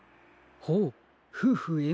ほうふうふえん